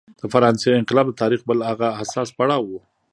د فرانسې انقلاب د تاریخ بل هغه حساس پړاو و.